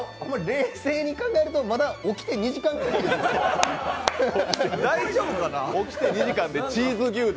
冷静に考えると、まだ起きて２時間ぐらいや。